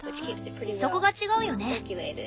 そこが違うよね。